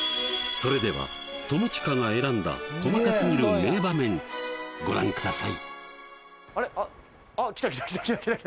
それでは友近が選んだ細かすぎる名場面ご覧ください